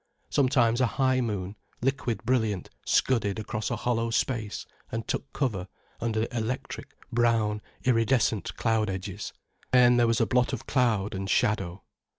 Sometimes a high moon, liquid brilliant, scudded across a hollow space and took cover under electric, brown iridescent cloud edges. Then there was a blot of cloud, and shadow.